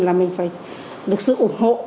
là mình phải được sự ủng hộ